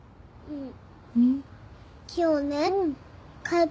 うん。